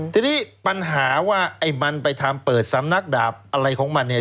ทีนี้ปัญหาว่าไอ้มันไปทำเปิดสำนักดาบอะไรของมันเนี่ย